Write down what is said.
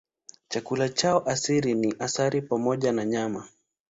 Chakula chao asili ni asali pamoja na nyama.